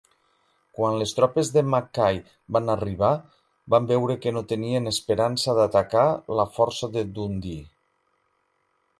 Quan les tropes de Mackay van arribar, van veure que no tenien esperança d'atacar la força de Dundee.